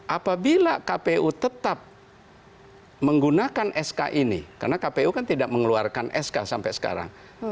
apabila kpu tetap menggunakan sk ini karena kpu kan tidak mengeluarkan sk sampai sekarang